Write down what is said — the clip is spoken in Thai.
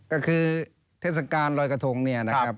ก็คือเทศกาลรอยกระทงเนี่ยนะครับ